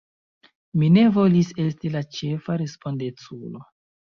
Mi ne volis esti la ĉefa respondeculo.